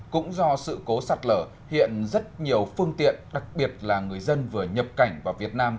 cũng do sự cố sạt lở hiện rất nhiều phương tiện đặc biệt là người dân vừa nhập cảnh vào việt nam